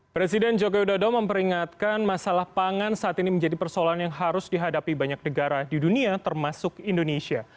presiden jokowi dodo memperingatkan masalah pangan saat ini menjadi persoalan yang harus dihadapi banyak negara di dunia termasuk indonesia